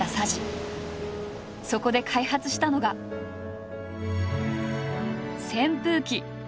そこで開発したのが扇風機。